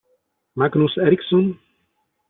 Magnus Eriksson